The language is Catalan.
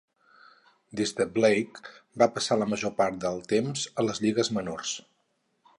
Des de -, Blake va passar la major part del temps a les lligues menors.